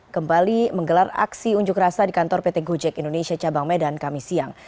kembali menggelar aksi unjuk rasa di kantor pt gojek indonesia cabang medan kami siang